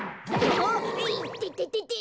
あっいててて。